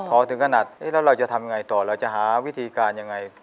ท้อถึงขนาดแล้วเราจะทำยังไง